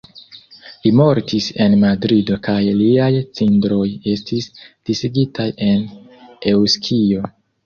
Li mortis en Madrido kaj liaj cindroj estis disigitaj en Eŭskio.